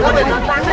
ada apaan di sini